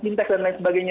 inteks dan lain sebagainya